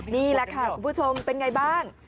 นี่แหละค่ะคุณผู้ชมเป็นไงบ้าง